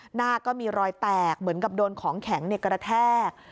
หน้าก็มีรอยแตกเหมือนกับโดนของแข็งกระแทก